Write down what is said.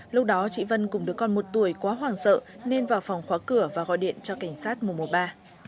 lúc đó chị vân cùng đứa con một tuổi quá hoảng sợ nên vào phòng khóa cửa và gọi điện cho cảnh sát mùa mùa ba